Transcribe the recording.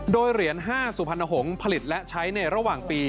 โดยเหรียญ๕สุพรรณหงษ์ผลิตและใช้ในระหว่างปี